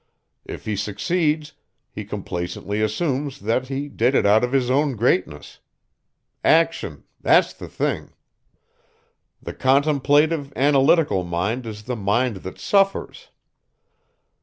If he succeeds he complacently assumes that he did it out of his own greatness. Action that's the thing. The contemplative, analytical mind is the mind that suffers.